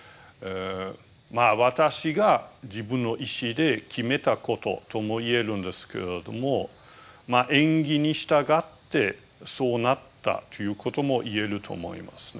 まあ私が自分の意思で決めたこととも言えるんですけれども縁起に従ってそうなったということも言えると思いますね。